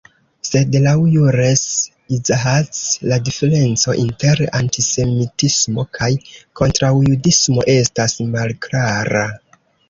Sed laŭ Jules Isaac la diferenco inter "antisemitismo" kaj "kontraŭjudismo" estas malklara.